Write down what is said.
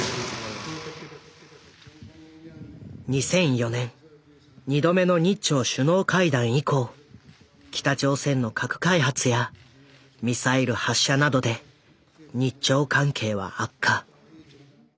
２００４年２度目の日朝首脳会談以降北朝鮮の核開発やミサイル発射などで日朝関係は悪化。